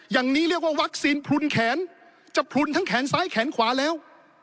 อย่างนี้เรียกว่าวัคซีนพลุนแขนจะพลุนทั้งแขนซ้ายแขนขวาแล้ว